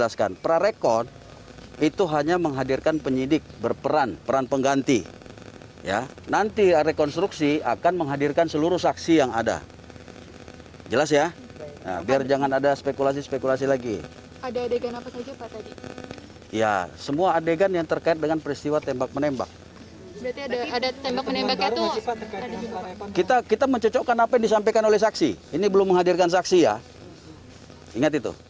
sampai jumpa di video selanjutnya